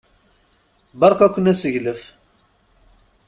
Berka-ken aseglef!